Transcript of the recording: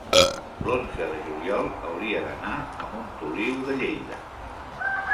l'onze de juliol hauria d'anar a Montoliu de Lleida.